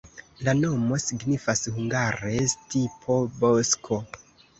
La nomo signifas hungare: stipo-bosko.